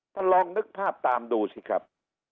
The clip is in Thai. ท่านลองนึกภาพตามดูสิครับ